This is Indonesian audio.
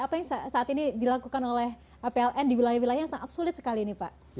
apa yang saat ini dilakukan oleh pln di wilayah wilayah yang sangat sulit sekali ini pak